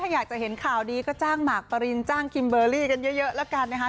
อยากจะเห็นข่าวดีก็จ้างหมากปรินจ้างคิมเบอร์รี่กันเยอะแล้วกันนะคะ